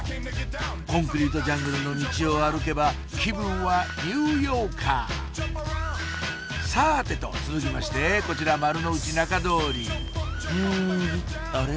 コンクリートジャングルのミチを歩けば気分はニューヨーカーさてと続きましてこちらんあれ？